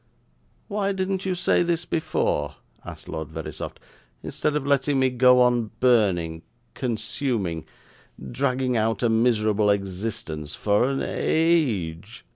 'Why didn't you say this before?' asked Lord Verisopht, 'instead of letting me go on burning, consuming, dragging out a miserable existence for an a age!